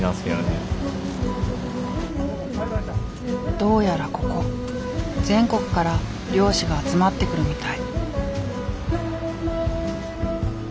どうやらここ全国から漁師が集まってくるみたい。